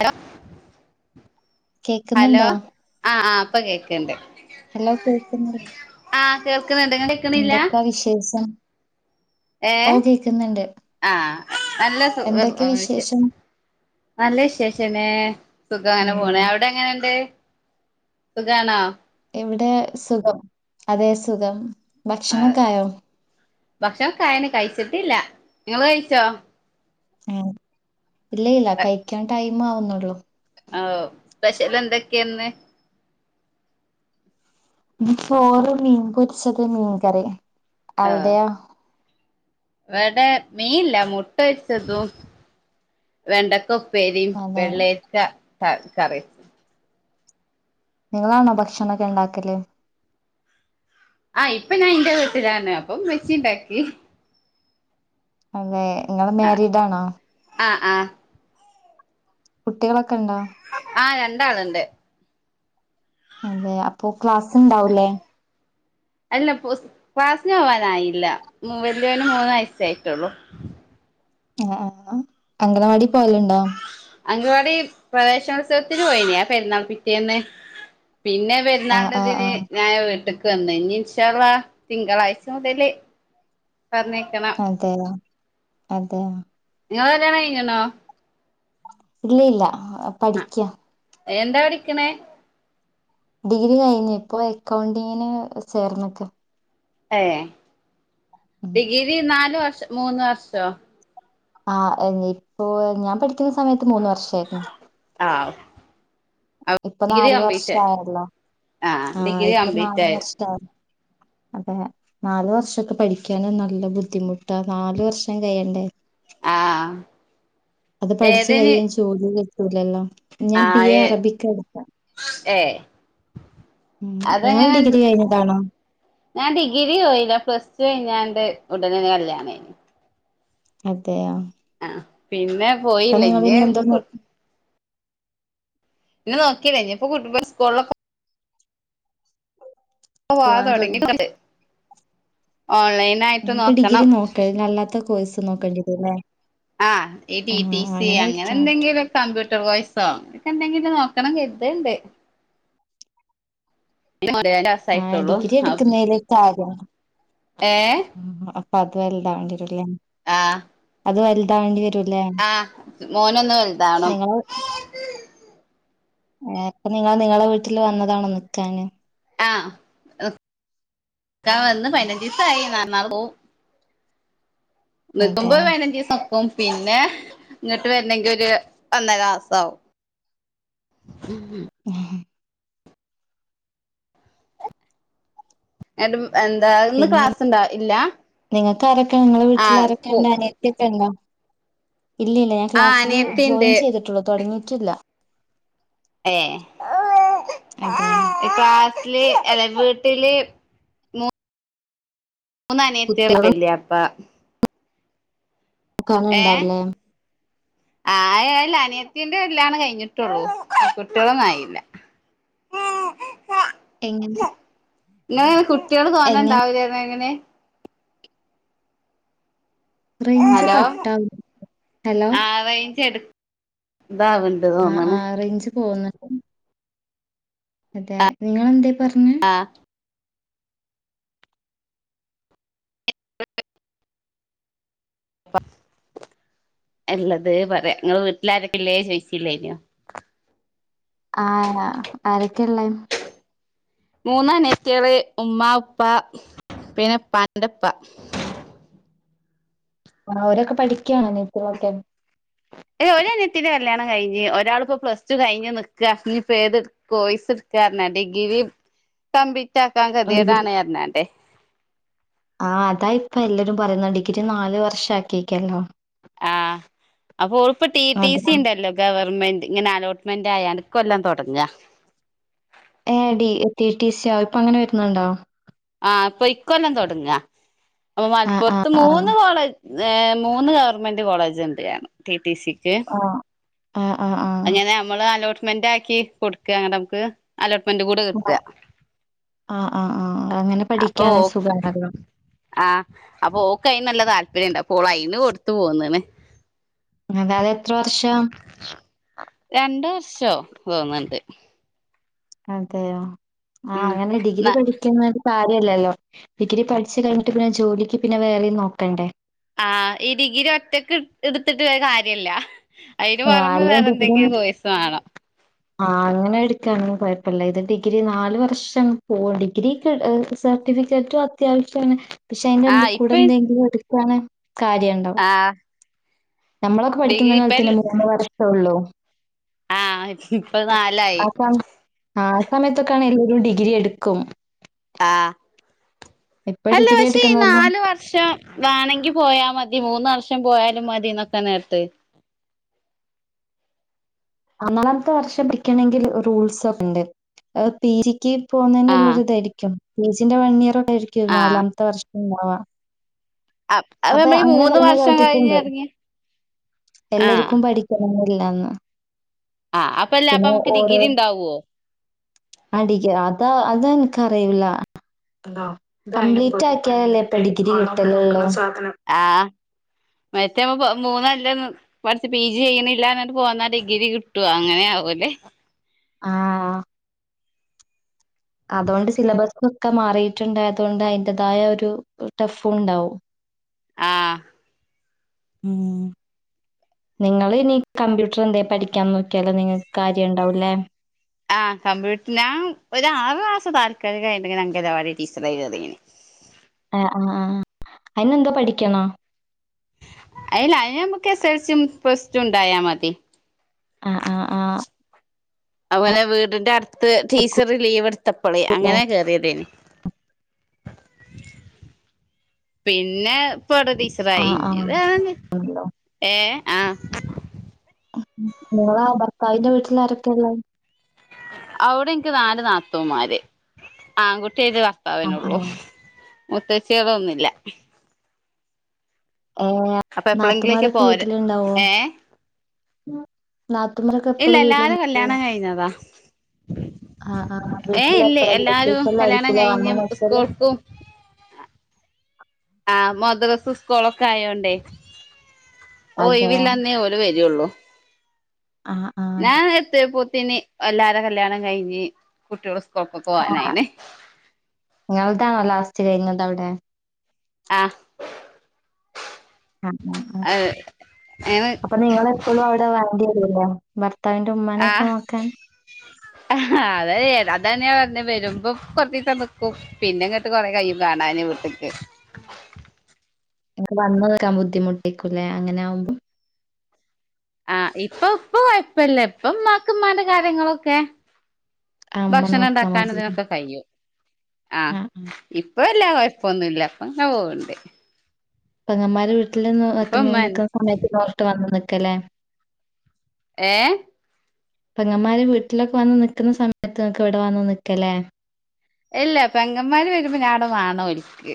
അ hello കേക്കുന്നുണ്ടോ? ആഹ ഇ പ്പൊ കേക്കണ്ട് ഹലോ കേർക്കുന്നില്ലെ കേക്ക്ണുണ്ട്, കേക്കണില്ലാ ഏ ഓ കേക്കുന്നുണ്ട്. ആ നല്ല സുഖ എന്തൊക്കെ വിശേ വിശേഷം? നല്ലേ ശേഷന്നേ സുഖ അങ്ങനെ പോണ എന്താണ് അവിടെ എങ്ങനെുണ്ട് സുഖാണോ ഇവിടെ സുഖം അതെ സുഖം ആഹ ഭക്ഷണൊക്കെ ആയോ? ഭക്ഷണം കായന് കഴിച്ചിട്ടില്ല നിങ്ങള് കഴിച്ചോ ആ ഇല്ലയില്ല കഴിക്കാൻ ടൈമാവുന്നതേയുള്ളു ആ സ്പെഷ്യൽ എന്തൊക്കെയന്ന് ചോറ് മീൻ പൊരിച്ചത് മീൻകറി അവിടെയോ എവിടെ മീനല്ല മുട്ട വച്ചതും വെണ്ടക്ക ഉപ്പേരിയും അതെ. വെള്ളേരിക്ക കറിയും നിങ്ങളാണോ ഭക്ഷണംൊക്കെ ഉണ്ടാക്കല് ആ ഇപ്പൊഞാൻ വീട്ടിലാണ് അപ്പം ഇമ്മച്ചി യുണ്ടാക്കി അതെ നിങ്ങള് മരിഡ് ആണോ ആ കുട്ടികളൊക്കെയുണ്ടോ ആള്ണ്ട് അതെയപ്പൊ ക്ലാസ്സു ണ്ടാവുല്ലേ അല്ല പുസ് ക്ലാസ്ന് പോവാനായില്ല. വല്യവന് മൂന്നുവയസായിറ്റൊള്ളു. ആ അംഗനവാടി പോയലണ്ടോ അംഗനവാടി പ്രവേശനോത്സവത്തിനു പോയീനാപെരുന്നാൾ പിറ്റേന്ന്. പിന്നെ ആഹ് ആഹ് പെരുന്നാണ്ടതിൽ ആഹ്. ഞായ വീട്ട കന്ന ഇഞ് ഇൻശാ അല്ലാഹ് തിങ്കളാഴ്ച മുതല് പറഞ്ഞേക്കണം അതെയ അതെയ നീങ്ങളെ കല്യാണം കയിഞ്ഞ്ണോ ഇല്ലയില്ല പഠിക്ക എന്താ പഠിക്ക്ണേ ഡിഗ്രി കഴിഞ്ഞു ഇപ്പൊ അക്കൗണ്ടിങ്ങിന് ചേർന്നൊക്കെ ഏ ഡിഗ്രി നാലുവർഷ മൂന്നുവർഷോ [unintelligible] ആഹ് ഇപ്പൊ ഡിഗ്രി നാല വർഷ കംപ്ലീറ്റ് ആയി ആയല്ലോ ആഹ് ആഹ ഡിഗ്രി ഇപ്പൊ നാല കംപ്ലീറ്റ് ആയി വർഷ അതെ നാലു വർഷമൊക്കെ പഠിക്കാൻ നല്ലബുദ്ധിമുട്ടാ നാലുവർഷംകഴിയണ്ടേ ആ അത് പഠിച്ചു കയിയയും ചോല കട്ടലല്ലോ ഞാൻ ബി ആഹ് എ ഏ അറബിക്ക് എടുത്ത ഏഹ് അതെങ്ങനെ ഞാൻ ഡിഗ്രിപോയില്ല. പ്ലസ്ടു കഴിഞ്ഞാ ഉടനെ കല്യണെ നിം അതേയോ ആ പിന്നെ പോയില്ല ഞ്ഞ് ഇനി എന്തോ നോക്കി പിന്നെ നോക്കിയില്ല ഇനിയിപ്പൊകുട്ടികളു സ്കൂളൊക്കെ ഓ അത പോവാൻ തുടങ്ങി തുടങ്ങിട്ട ഇയിപ്പ ഡിഗ്രി നോക്കണ്ട അല്ലാത്ത കോഴ്സ് നോക്കേണ്ടിരല്ലേ ആ ടി ടി സിയങ്ങനെ പഠിക്കാൻ പറ്റും എന്തെങ്കിലുമൊക്കെ കമ്പ്യൂട്ട ട് കോഴ്സോ എനക്ക എന്തെങ്കിലും നോക്കണം കരുതുണ്ട് ആഹ് മാസായിട്ടുള്ളൂ ഡിഗ്രി എടുക്കുന്നെയ്ല് താൽ ഏഹ് അപ്പൊതു വല്ലതാകേണ്ടിരുംല്ലേ ആ അത് വലുാ വേണ്ട വര ആഹ മോനൊന്ന് വലുതണ ഏ ഇപ്പൊ നിങ്ങളു നിങ്ങളുടെവീട്ടിൽ വന്നതാണോ നിക്കാന് ആഹ ഇക്കാ ഇന്ന് പയ്നഞ്ചീസായി, ന നാളെ പോവും അതെ നിർത്തുമ്പം, പതിനഞ്ചീസം അപ്പം പിന്നെ ഇങ്ങോട്ട് വരണെങ്കിൽ ഒരു വന്ന രാസവും ശബി എന്നിട്ടുമെന്താ ഇന്നു പിന്നെ ക്ലാസ്സുണ്ട ഇല്ല നിങ്ങൾക്ക് അരക്കണം നിങ്ങളെ വീട്ടിൽ ആഹ് പോ അരക്കണ്ട അനിയത്തിൊക്കെ ഉണ്ടോ ഇല്ല ഇല്ല ഞാൻ ആഹ് ക്ലാസ്സില് അനിയത്തിണ്ട് ജോയിൻ ചെയ്തിട്ടുള്ളു തുടങ്ങിയിട്ടില്ല ഏ അതെ വീട്ടില് ഇല വീട്ടില് മൂന്നനത്തി കുട്ടികളെ വല് പ്പ നക്കാനുണ്ടാവലേ ആകെയെ അനിയത്തിന്റെ കല്യാണംകഴിഞ്ഞിട്ടുള്ളൂ കുട്ടികളൊന്നുമായില്ല എങ്ങനെ ഇങ്ങള് കുട്ട്യേള് തോന എങ്ങനെ ഇണ്ടാവില്ലേന്നേയങ്ങനെ റേഞ്ച് ഹലോ കട്ട ഹലോ ആഹ് റേഞ്ച് എടു ഇതാവ്ണ്ട് അഹ് തോന്ന്ണ് ആഹ് റേയ്ഞ്ച് പോവ്ന്ന് അതെനിങ്ങളെന്തേ പറഞ്ഞേ ആഹ് അല്ലതുപറയാ നിങ്ങളുടെ വീട്ടിലാരൊക്കെയില്ലേ ചോയി ച്ചില്ലായിനോ ആഹ ആരൊക്കെയ ഉള്ള മൂന്നനുജത്തികള് ഉമ്മാ, ഉപ്പ, പിന്നെയുപ്പാന്റെയുപ്പ ആ അവരൊക്കെ പഠിക്കുകയാണോ നീറ്റിനൊക്കെ ഏ ഒ അനയത്തിന്റെ കല്യാണം കഴിഞ്ഞ് ഒരാള ഇപ്പോൊ പ്ലസ് ടു കഴിഞ്ഞ് നിക്ക ഞഇപ്പ ഏത് കോയിസ് കാരന ഡിഗ്രി കമ്പി ചറ്റാക്കാൻ ഡിഗ്രി കതിയടാണ് എണന്റെറെ പറയുന്നഡിഗ്രി നാലു വർഷമാക്കിയിക്കല്ലോ ആ അപ്പൊ ഉറപ്പ ടി ടി സി അതാ. ഉണ്ടല്ലോ ഗവ ഗവൺമെന്റിങ്ങനെ അലോട്ടുമെന്റായാ ണ്ട് ഇകൊല്ലം തൊടങ്ങ ഏ ഡി ട്ടീ ടി സി യോ ആ ഇപ്പൊ അങ്ങനെ വരുന്നുണ്ടോ ആ അപ്പൊഇക്കൊല്ലം തൊടങ്ങ അപ്പൊ ആഹ് ആഹ് ആഹ്. മലപ്പുറത്തുമൂന്നു കോളേജ് ഏ മൂന്ന് ഗവൺമെന്റ് കോളേജ് ഉണ്ട്ണം ട്ടി സിക്ക് ആഹ്. ആഹ് ആഹ് ആഹ്. അയ്നെങ്ങെ അമ്മളുഅലോട്ട് ്മെന്റ് ആക്കി കൊടുക്ക അങ്ങനെ നമുക്ക് അലോട്ട്മെന്റ് കൂടെ കിട്ടുക ആഹ് ആഹ് ആഹ്. അങ്ങനെ അപ്പൊ പഠിക്കാണെ സുഖാണല്ലോ. ആഹ അപ്പൊ കന് നല്ല താല്പര്യണ്ട് അപ്പോൾ അയ്ന് കൊടുത്തു പോന്ന് ണ് അതാഅതെത്ര വർഷം രണ്ട വർഷോ തോന്നണ്ട് അതെയോ ആ ഉം അങ്ങനെ ന്ന ഡിഗ്രി പഠിക്കുന്ന ഇല്ലല്ലോ ഡിഗ്രി പഠിച്ചു കഴിഞ്ഞിട്ടുപിന്നെ ജോലിക്കുപിന്നെ വേറെയും നോക്കണ്ടേ ആഹ ഈ ഡിഗ്രി ഒറ്റക്ക് എടുത്തിട്ട് വരെ കാര്യല്ല അയിന് ആഹ് പുറമേ വേറെ എന്തെങ്കിലും കോഴ്സ വണോ ആ, അങ്ങനെ ഇട്ക്കാണെ [unintelligible] കൊഴപ്പല്ല. ഇത് ഡിഗ്രി നാലു വർഷം പോ ഡിഗ്രിക്ക് ഏഹ് സെ സർട്ടിഫിക്കറ്റും അത്യാവശ്യമാണ് പക്ഷെ അയിന്റെറെ എന്ത ആഹ് കൂടെ ഇപ്പ എന്തെങ്കിലും എടുക്കാണ് കാര്യ ഉണ്ടാവും ആഹ് നമ്മളൊക്കെപഠിക്കുന്ന ഡിഗ്രി ഇപ്പ കാലത്തിനു മൂന്നു വർഷേയുള്ളൂ ആഹ് ഇപ്പൊ നാലായി ആ അ സമയത്ത് കണല്ല ഒരു ഡിഗ്രി എടുക്കും. ആഹ ഇപ്പൊ അല്ല ഡിഗ്രി പക്ഷെ ഈ എടുക്കുന്നോലും നാല് വർഷം വേണെങ്കി പോയാ മതി മൂന്ന് വർഷം ൻ പോയാലും മതിന്നൊക്കെ നേരത്തെ ആ നാലാമത്തെ വർഷം പഠിക്കണെങ്കില് റൂൾസ് ഒക്കെണ്ട് അ പീ ജിക്ക് പോകുന്നള്ളരി ആഹ് ഇതായിരിക്കുംസിന്റെ പി ജി വൺ ഇയർ ആയിരിക്കും ആഹ് നാലാമത്തെ വർഷംണ്ടവാ അ അത് അപ്പ നമ്മളീ അങ്ങനെ മൂന്ന് പറഞ്ഞ് വർഷം കഴിഞ്ഞ് കേട്ടിട്ടുണ്ട്. ഇറങ്ങിയ ആഹ് എല്ലരിക്കും പഠിക്കണന്നില്ലാന്ന് ആഹ് അപ്പല്ല അപ്പൊ പിന്നെ നമുക്ക് ഓരൊ ഡിഗ്രി ഉണ്ടാവോ അടിക്ക് അതാ അത ്ീറ്റ് [inaudible] ആാലല്ലേ ഡിഗ്രി കിട്ടല ആ മറ്റെമ്മ പൊ മൂന്നല്ല പഠിച്ചച്ച് പി ജി ചെയ്യണില്ല എന്നട്ട് പോന്നാ ഡിഗ്രി കിട്ടുവ അങ്ങനെയ ആാവൂല്ലെ ആഹ അതുകൊണ്ട് സിലബസ് ഒക്കെ മാറിയിട്ടുണ്ടായതുകൊണ്ട് അതിന്റേതായ ഒരു ടഫും ഉണ്ടാവും. ആഹ ഉം നിങ്ങൾ ഇനി കമ്പ്യൂട്ടർ എന്ത പഠിക്കാ നോക്കിയാലോ നിങ്ങക്ക് കാര്യം ഉണ്ടാവൂല്ലേ? ആഹ കമ്പ്യൂട്ടറി ഒ ഒരു ആ മാസം താൽക്കാലികയിണ്ടെങ്കിൽ അംഗവാടി ടീച്ചർായി കയറിന്ന് ആ ആ ആ അയിനെന്താ പഠിക്കാണോ? അല്ല അയിന് നമ്മുക്ക് S S L C plus two ഉണ്ടായാ മതി ആഹ ആഹ ആഹ അവനെ വീടിന്റെ അടുത്ത് ടീച്ചർ ലീവ് എടുത്തപ്പോളേ അങ്ങനെ കേറിയതേന്. പിന്നെ ഇടെ ീസറായി ആഹ് ആഹ് ഇത ഏ ആഹ നിങ്ങളെ ഭർത്താവിന്റെ വീട്ടിൽ ആരൊക്കെയൊള്ളെ? അവിടെ എനിക്ക് നാല് നാത്തവമാര് ആൺകുട്ടി റ്റേത് ആഹ് ഭർത്താവിനള്ളൂ ആഹ് മുത്തച്ചതൊന്നില്ല ഏഹ് അപ്പൊ എപ്പോഴെങ്കിലേക്ക് നാത്തുമാരൊക്കെ പോരാ വീട്ടിലുണ്ടാവോ? ഏ നാത്തുമാരൊക്കെ ഇല്ല എപ്പളും വീട്ടില് അല്ലാതെ കല്യാണം കഴിഞ്ഞതാ ആ വി ഏ ഇല്ലേ പായി എല്ലാരും കല്യാണം കഴിഞ്ഞ് വന്നണല്ല [unintelligible] സ്കൂൾക്കും ആഹ മദ്രസ് സ്കോളൊക്കെ ആയോണ്ടേ ഓ അതെ. ഇവില്ലാന്നേ ഓല് വരുള്ളൂ. ആ, ആ. ഞാൻ എത്തിയ പോത്തനി എല്ലാരോടും കല്യാണം കഴിഞ്ഞ് കുട്ടികള ക്കൊപ്പ പോവാനായിനെ എട്ടാണോ ലാസ്റ്റ് കഴിഞ്ഞത് അവിടെ? ആ ആ ആ ആ അങ്ങനെ അപ്പൊ നിങ്ങള സ്കൂളവിടെ വണ്ടി വരൂല്ല ഭർ ആഹ് അത അ അതന്നാ പറഞ്ഞഞ് വരുമ്പോ കൊറച്ചിസം നക്കും പിന്നെ ഇങ്ങോട്ട് കൊറെേ കഴും കാണൻ വീട്ടക്ക്. വന്ന നിക്കാൻ ബുദ്ധിമുട്ടേക്കുംല്ലേ അങ്ങനെ ആകുമ്പോ? ആ ഇപ്പൊ ഇപ്പ കുഴപ്പല്ല, ഇപ്പംമ്മാക്ക്മ്മാന്റെ കാര്യങ്ങളൊക്കെ ആ ഉമ്മ ഭക്ഷണം നോക്കാ ഉണ്ടാക്കാൻ മതി. ഇതിനൊക്കെ കഴിയും ആഹ ആ, ആ. ഇപ്പല്ല. ഇപ്പൊന്നുമില്ല അപ്പൊ, ങ്ങ പോവണ്ടേ? പങ്ങമാർ വീട്ടിൽന്ന് വക്ക ഉമ്മ നിക്കുന്ന സമയത്ത് നോറിട്ട് വന്ന് നക്കലേ? ഏ പങ്ങമാര് വീട്ടിലൊക്കെ വന്ന് നിക്കുന്ന സമയത്ത് നിക്ക് ഇവിടെ വന്ന് നിക്കലേ ഇല്ല പെങ്ങന്മാര് വരുമ്പോ ഞാട വേണം ഓലക്ക്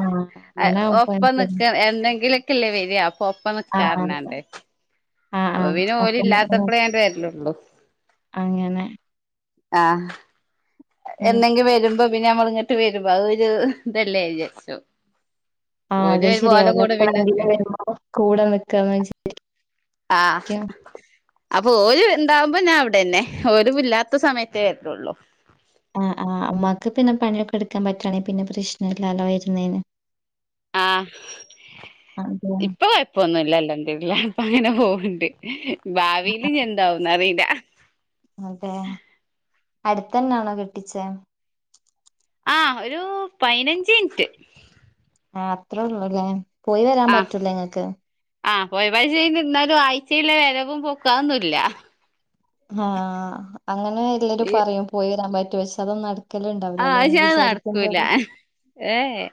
ആ അങ്ങനാവുമ്പോ ഒപ്പ നിക്ക എന്തെങ്കിലൊക്കെല്ലേ വരിയാ അപ്പൊ ഒപ്പം ആ, നക്കാറനാണ്ട്. ആ, ആ. അപ്പൊ പിന ഓല അപ്പം അങ്ങനെ. ഇല്ലാത്തപ്പഴേ വരിലള്ളു. അങ്ങനെ. ആഹ് ഉം. എന്നന്തെങ്കും വരുമ്പോ പിന്നെ നമ്മൾ ഇങ്ങട്ട് വരുമ്പ അ ഒരു ഇതെല്ലെ വിചാരിച്ചു. ആഹ് ഓല് അത് വരുമ്പോ ശരിയാ ഓലെ കൂടെ പിന്നൊക്കെ [unintelligible] കൂടെ നിക്കാന്ന് വിചാ [unintelligible] ആഹ് അപ്പൊ ഓര് ഇണ്ടാവുമ്പ ഞാൻ അവിടെന്നെ. ഒരു ഇല്ലാത്ത സമയത്തേ വര്ലൊള്ളൂ. ആഹ് ആഹ് ഉമ്മാക്ക് പിന്നെ പണിയൊക്കെ ഇടുക്കാൻ പറ്റാണെ പിന്നെ പ്രശ്നാല്ലാല്ലോ വര്ന്നേന്. ആഹ് അതെ ഇപ്പൊ കൊഴപ്പൊന്നുല്ല അല്ലൽഹംദുലില്ല. ഇപ്പ അങ്ങനെ പോവ്ണ്ട്. ഭാവിയില് ഇഞ്ഞ് എന്താവുന്ന് അറീല അതെ. അടുത്തെന്നാണോ കെട്ടിച്ചേ? ആഹ് ഒരു പയ്നഞ്ചിൻറ്റ് ആഹ് അത്ര ഒള്ളുല്ലേ. പോയി വരാൻ ആഹ് പറ്റൂലേ ഇങ്ങക്ക്? ആഹ് പോയ പാഴ്ചേല് ഇന്നാലും ആഴ്ചേലെ വെരവും പൊക്കും അഹൊന്നുല്ല ആഹ് അങ്ങനെ എല്ലരും പറയും പോയി വരാൻ പറ്റു പക്ഷ് അതൊ ആഹ് ചാ നടക്കൂല ഏ എ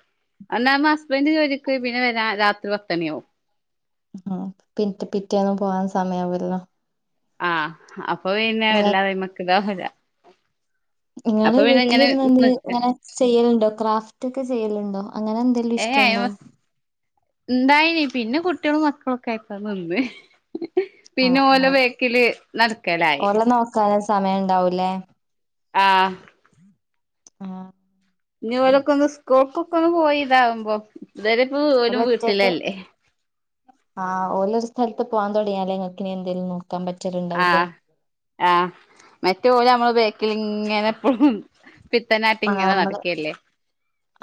ഒന്നാ മാസ് ഹസ്ബൻഡ് ജോലിക്ക് പോയി. പിന്നെ വര രാത്രി പത്തണിയാവും. ആഹ് പിൻ പിറ്റേന്നും പോവാൻ സമയാവൊല്ലോ ആഹ് അപ്പൊ പിന്നെ എല്ലാവരും മ്മക്ക് ദോ വരാ നിങ്ങള് വീട്ടിലിരുന്ന് എന് നിക്ക ഇങ്ങനെ ചെയ്യലുണ്ടോ ക്രാഫ്റ്റ് ഒക്കെ ചെയ്യലുണ്ടോ? അങ്ങനെ എന്തേലും ഏഹ് ഇഷ്ടണ്ടോ? അയ്മ ഇണ്ടായിനി പിന്നെ കുട്ടികളും മക്കളും ക്കായപ്പ നിന്ന്, പിന്നെ ആഹ് ഓലെ ആഹ് ബേക്കല് നടക്കലായി. സമയണ്ടാവൂലേ? ആഹ് - ആഹ് - ഇനി ഓലൊക്കെ ഒന്ന് സ്കൂൾക്കൊക്കെ ഒന്ന് പോയി ഇതാവുമ്പോ ഇതവരെ ഇപ്പ ഓല് ഓലും ഒറ്റക്ക് വീട്ടിലല്ലേ? ആഹ് ഓലൊരു സ്ഥലത്ത് പോവാൻ തുടങ്ങിയാലെ നിക്കിനെന്തേരുന്നു ആഹ് ആഹ് മറ്റേ ഓല് നമ്മള് ബേക് ക്കിലിങ്ങനെപ്പോഴും പിത്തനാട്ട് ഇങ്ങനെ നടക്കല്ലേ.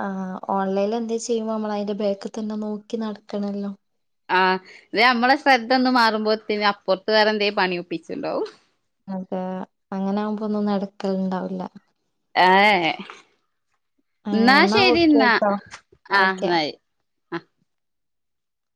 ആ ഓൺലൈനിൽ എന്താ ചെയ്യുമ്പോ നമ്മൾ അതിന്റെ ബേക്ക് തന്നെ നോക്കി നടക്കണല്ലോ. ആഹ് ത് നമ്മെട ശ്രദ്ധ ഒന്നും മാറുമ്പോത്തേന് അപ്പുറത്ത് വേറെ എന്തേലും പണി ഒപ്പിച്ചുണ്ടാവും. അതെ, അങ്ങനാകുമ്പോ ഒന്നും നടക്കലിണ്ടാവില്ല. ഏ എന്നാ ഏഹ് ശരി എന്നാ കേട്ടോ ആഹ് ഓക്കെ എന്നായി. ആഹ് -